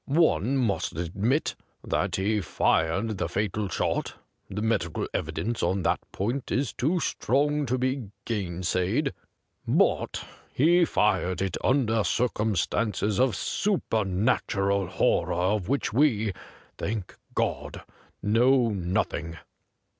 One must admit that he fired the fatal shot — the medical evidence on that point is too strong to be gainsaid — but he fired it under circumstances of supernatural horror of which we, thank God ! know nothing.'